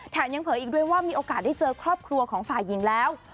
ยังเผยอีกด้วยว่ามีโอกาสได้เจอครอบครัวของฝ่ายหญิงแล้ว